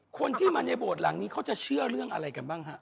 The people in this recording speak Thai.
คนที่มาในโบสถ์หลังนี้เขาจะเชื่อเรื่องอะไรกันบ้างฮะ